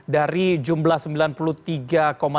dari jumlah sembilan puluh tiga